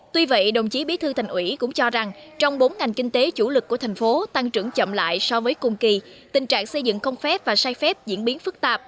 tuy vậy đồng chí bí thư thành ủy cũng cho rằng trong bốn ngành kinh tế chủ lực của thành phố tăng trưởng chậm lại so với cùng kỳ tình trạng xây dựng không phép và sai phép diễn biến phức tạp